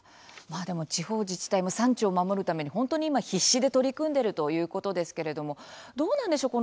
地方自治体も産地を守るために本当に今必死で取り組んでいるということですけれどもどうなんでしょう